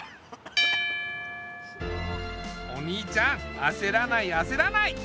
お兄ちゃんあせらないあせらない。